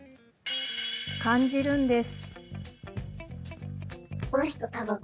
感じるんです。